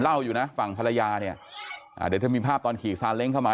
อยู่นะฝั่งภรรยาเนี่ยอ่าเดี๋ยวถ้ามีภาพตอนขี่ซาเล้งเข้ามา